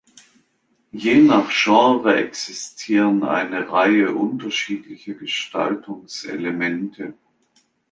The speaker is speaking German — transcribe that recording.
Je nach Genre existieren eine Reihe unterschiedlicher Gestaltungselemente.